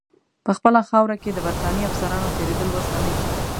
په خپله خاوره کې د برټانیې افسرانو تېرېدل وزغمي.